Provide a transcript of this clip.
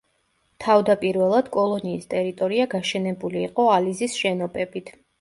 თავდაპირველად კოლონიის ტერიტორია გაშენებული იყო ალიზის შენობებით.